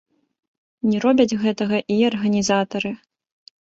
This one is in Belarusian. Не робяць гэтага і арганізатары.